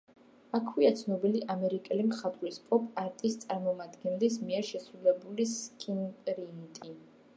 აქვეა ცნობილი ამერიკელი მხატვრის, პოპ-არტის წარმომადგენლის, მიერ შესრულებული სკრინპრინტი.